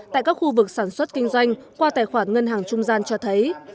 tại các khu vực sản xuất kinh doanh qua tài khoản ngân hàng trung gian cho thấy